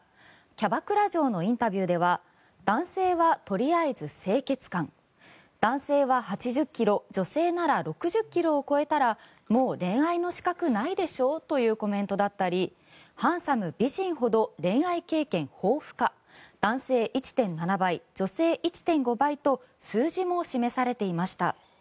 キャバクラ嬢のインタビューでは男性はとりあえず清潔感男性は８０ｋｇ女性なら６０ｋｇを超えたらもう恋愛の資格ないでしょというコメントだったりハンサム・美人ほど恋愛経験豊富か男性１．７倍女性１．５倍と数字も示されていました。